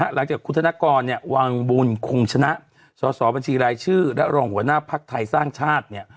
หลังจากคุณธนกรวางบุญคุณชนะสบัญชีรายชื่อและร่องหัวหน้าภักดิ์ไทยสร้างชาติ